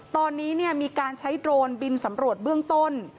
ตอนนี้มีการใช้โดรนบินสำรวจเบื้องต้น